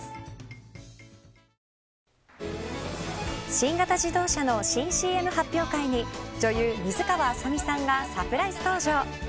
新型自動車の新ＣＭ発表会に女優水川あさみさんがサプライズ登場。